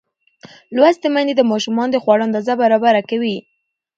لوستې میندې د ماشومانو د خوړو اندازه برابره کوي.